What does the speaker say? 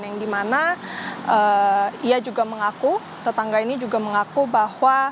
yang dimana ia juga mengaku tetangga ini juga mengaku bahwa